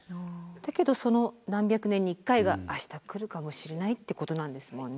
だけどその何百年に１回が明日来るかもしれないってことなんですもんね。